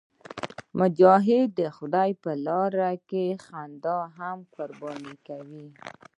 مجاهد د خدای په لاره کې خندا هم قرباني کوي.